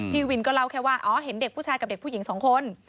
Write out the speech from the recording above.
พี่วินก็เล่าแค่ว่าอ๋อเห็นเด็กผู้ชายกับเด็กผู้หญิงสองคน